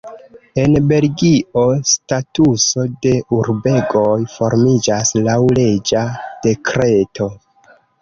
En Belgio statuso de urbegoj formiĝas laŭ reĝa dekreto.